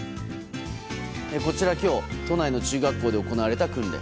こちら今日都内の中学校で行われた訓練。